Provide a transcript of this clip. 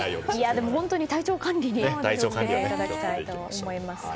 本当に体調管理に気を付けていただきたいと思います。